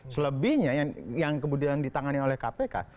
selebihnya yang kemudian ditangani oleh kpk